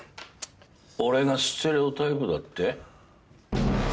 俺がステレオタイプだって？